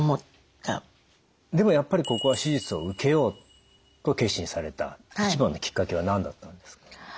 でもやっぱりここは手術を受けようと決心された一番のきっかけは何だったんですか？